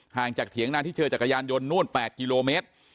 จากเถียงนาที่เจอจักรยานยนต์นู่น๘กิโลเมตร